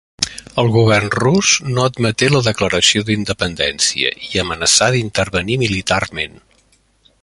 El govern rus no admeté la declaració d'independència i amenaçà d'intervenir militarment.